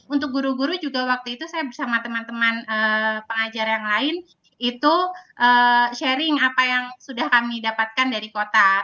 untuk guru guru juga waktu itu saya bersama teman teman pengajar yang lain itu sharing apa yang sudah kami dapatkan dari kota